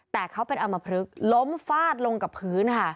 แต่เขาเป็นอำมพลึกล้มฟาดลงกับพื้นค่ะ